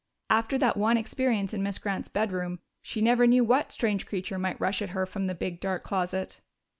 After that one experience in Miss Grant's bedroom, she never knew what strange creature might rush at her from the big, dark closet.